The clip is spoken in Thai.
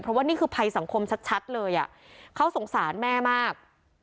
เพราะว่านี่คือภัยสังคมชัดเลยเขาสงสารแม่มาก